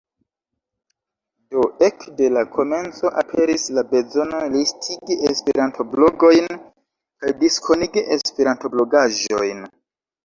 Do ekde la komenco aperis la bezono listigi esperanto-blogojn kaj diskonigi esperanto-blogaĵojn.